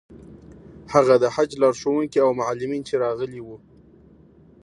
هغه د حج لارښوونکي او معلمین چې راغلي وو.